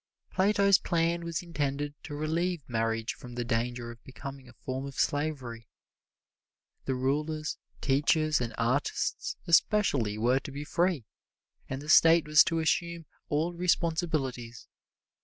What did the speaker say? Plato's plan was intended to relieve marriage from the danger of becoming a form of slavery. The rulers, teachers and artists especially were to be free, and the State was to assume all responsibilities.